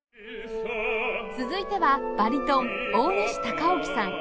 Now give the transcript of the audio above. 続いてはバリトン大西宇宙さん